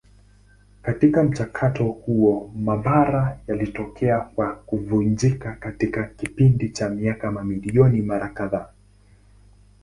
Katika mchakato huo mabara yalitokea na kuvunjika katika kipindi cha miaka mamilioni mara kadhaa.